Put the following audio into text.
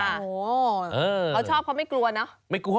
เขาชอบเพราะไม่กลัวเนอะ